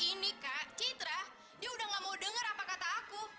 ini kak citra dia udah gak mau dengar apa kata aku